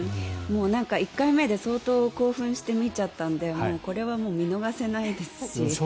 １回目で相当興奮して見ちゃったのでこれは見逃せないですし。